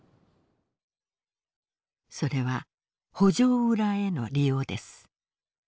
それは補助裏への利用です。